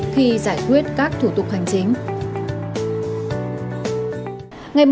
khi giải quyết các thủ tục hành chính